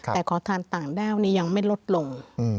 แต่ขอทานต่างด้าวยังไม่ลดลง